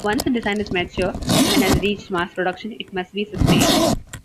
Once a design is mature and has reached mass production it must be sustained.